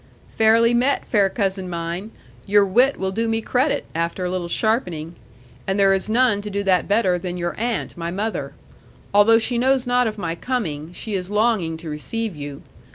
'"Fairly met, fair cousin mine! Your wit will do me credit, after a little sharpening. And there is none to do that better than your aunt, my mother. Although she knows not of my coming, she is longing to receive you.